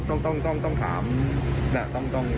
ต้องต้องถามต้องต้องถามที่คนที่ไปทางเรือ